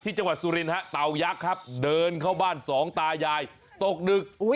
จังหวัดสุรินฮะเต่ายักษ์ครับเดินเข้าบ้านสองตายายตกดึก